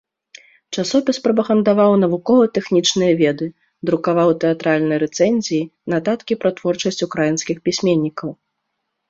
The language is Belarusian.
Часопіс прапагандаваў навукова-тэхнічныя веды, друкаваў тэатральныя рэцэнзіі, нататкі пра творчасць украінскіх пісьменнікаў.